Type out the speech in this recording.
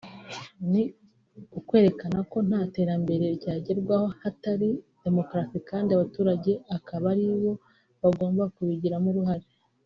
ni ukwerekana ko nta terambere ryagerwaho hatari demokarasi; kandi abaturage akaba aribo bagomba kubigiramo uruhare